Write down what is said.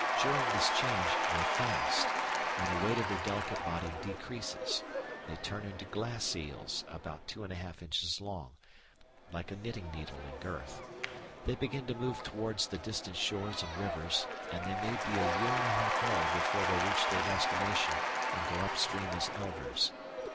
During this change they fast, and the weight of their delicate body decreases. They turn into glass eels, about 2 1/2 inches long, like a knitting needle in girth. They begin to move towards the distant shores and rivers, and they may be a year and a half old before they reach their destination and go up stream as elvers.